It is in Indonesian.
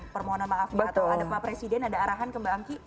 permohonan maaf mbak atau ada pak presiden ada arahan ke mbak angki